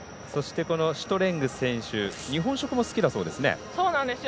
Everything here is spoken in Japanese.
シュトレング選手日本食も好きだそうですね。